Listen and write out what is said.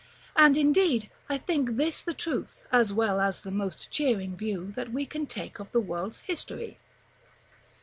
And, indeed, I think this the truest, as well as the most cheering, view that we can take of the world's history.